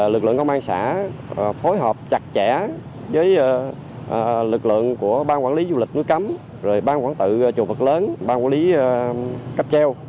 lực lượng công an xã phối hợp chặt chẽ với lực lượng của ban quản lý du lịch núi cấm bang quản tự chùa phật lớn ban quản lý cấp treo